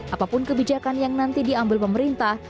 apapun kebijakan yang nanti diambil pemerintah